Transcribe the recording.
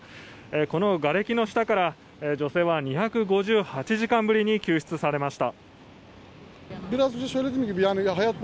このがれきの下から女性は２５８時間ぶりに救出されました。